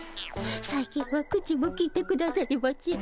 最近は口もきいてくださりません。